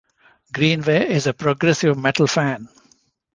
Greenway is a progressive metal fan.